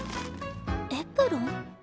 エプロン？